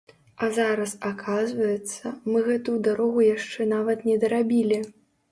А зараз аказваецца, мы гэтую дарогу яшчэ нават не дарабілі!